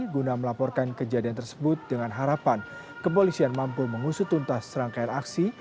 guna melaporkan kejadian tersebut dengan harapan kepolisian mampu mengusut tuntas rangkaian aksi